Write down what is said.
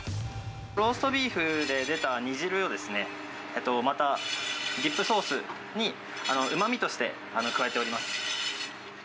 ローストビーフで出た煮汁を、またディップソースにうまみとして加えております。